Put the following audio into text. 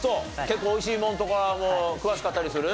結構美味しいものとかも詳しかったりする？